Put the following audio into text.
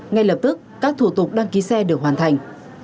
ngay lập tức các thủ tục đăng ký xe được hoàn thành